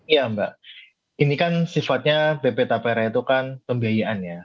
ya mbak ini kan sifatnya bp tapera itu kan pembiayaan ya